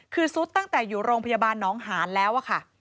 คือซุดตั้งแต่อยู่โรงพยาบาลน้องหานแล้วอะค่ะ